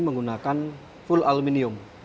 menggunakan full aluminium